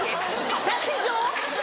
⁉果たし状